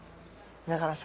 だからさ